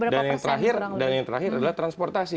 dan yang terakhir adalah transportasi